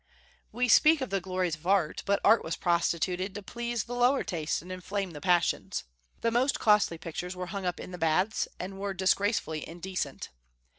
We speak of the glories of art; but art was prostituted to please the lower tastes and inflame the passions. The most costly pictures were hung up in the baths, and were disgracefully indecent.